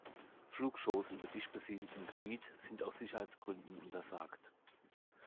Flugshows über dicht besiedeltem Gebiet sind aus Sicherheitsgründen untersagt.